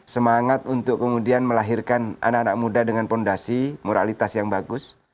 semangat untuk kemudian melahirkan anak anak muda dengan fondasi moralitas yang bagus